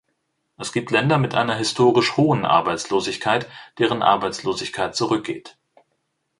Es gibt Länder mit einer historisch hohen Arbeitslosigkeit, deren Arbeitslosigkeit zurückgeht.